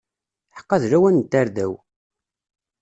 Ḥeqqa d lawan n tarda-w!